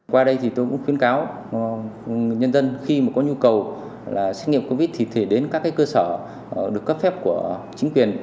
qua đây thì tôi cũng khuyến cáo người dân khi mà có nhu cầu xét nghiệm covid thì đến các cơ sở được cấp phép của chính quyền